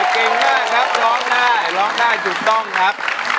เก่งมากครับร้องได้ร้องได้ถูกต้องครับ